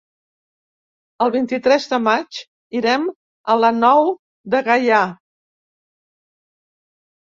El vint-i-tres de maig irem a la Nou de Gaià.